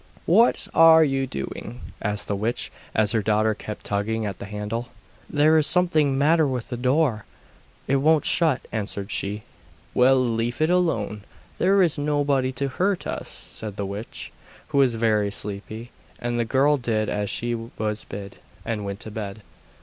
'What are you doing?' asked the witch, as her daughter kept tugging at the handle. 'There is something the matter with the door; it won't shut,' answered she. 'Well, leave it alone; there is nobody to hurt us,' said the witch, who was very sleepy; and the girl did as she was bid, and went to bed.